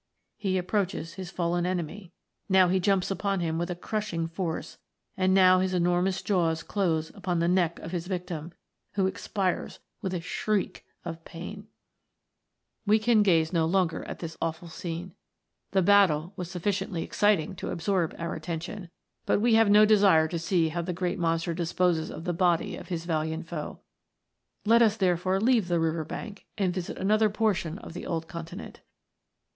He ap proaches his fallen enemy. Now he jumps upon him with a crushing force, and now his enormous jaws close upon the neck of his victim, who expires with a shriek of pain. * The Megalosaurus, or Great Lizard. 10 THE AGE OF MONSTERS. We can gaze no longer at this awful scene. The battle was sufficiently exciting to absorb our at tention, but we have no desire to see how the great monster disposes of the body of his valiant foe. Let us therefore leave the river bank, and visit another portion of the old continent.